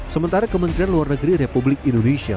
sementara kementerian luar negeri republik indonesia